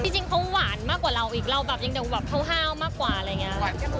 จริงเขาหวานมากกว่าเราอีกเราแบบเท่ามากกว่าอะไรอย่างนี้